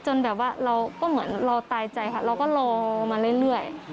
แบบว่าเราก็เหมือนเราตายใจค่ะเราก็รอมาเรื่อย